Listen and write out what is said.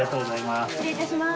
失礼いたします。